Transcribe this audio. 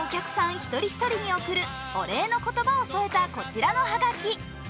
一人一人に贈るお礼の言葉を添えたこちらのはがき。